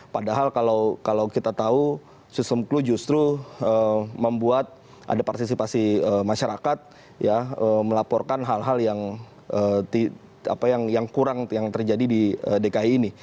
padahal kalau kita tahu sistem clue justru membuat ada partisipasi masyarakat melaporkan hal hal yang kurang yang terjadi di dki ini